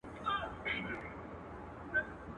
هره ورځ اختر نه دئ، چي وريجي غوښي وخورې.